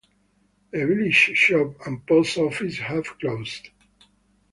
The village's shop and post office have closed.